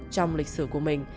trong lịch sử của mình